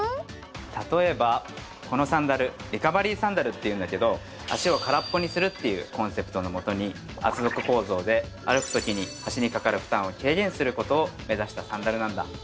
たとえばこのサンダルリカバリーサンダルっていうんだけど足をからっぽにするっていうコンセプトのもとに厚底構造で歩くときに足にかかる負担を軽減することを目指したサンダルなんだ